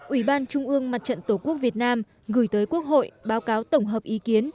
ủy ban trung ương mặt trận tổ quốc việt nam gửi tới quốc hội báo cáo tổng hợp ý kiến